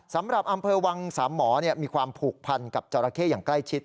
สำหรับอำเภอวังสามหมอมีความผูกพันกับจราเข้อย่างใกล้ชิด